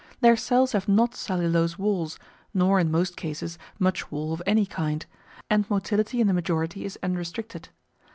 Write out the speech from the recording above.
Their cells have not cellulose walls, nor in most cases much wall of any kind, and motility in the majority is unrestricted.